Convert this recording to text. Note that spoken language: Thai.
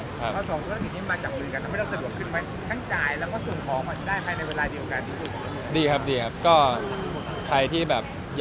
แต่ส่งทุกฯ๑๗มีนตัวตรงนี้มาจับหลือกัน